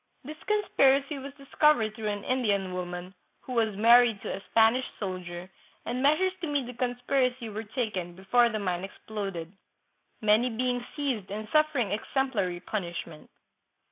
This conspiracy was discovered through an Indian woman, who was married to a Spanish soldier, and measures to meet the conspiracy were taken, before the mine exploded, many being seized and suffering ex emplary punishment.